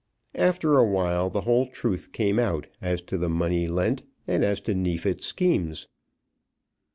After a while the whole truth came out, as to the money lent and as to Neefit's schemes.